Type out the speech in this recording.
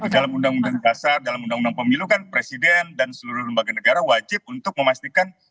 dalam undang undang dasar dalam undang undang pemilu kan presiden dan seluruh lembaga negara wajib untuk memastikan